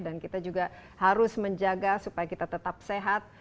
dan kita juga harus menjaga supaya kita tetap sehat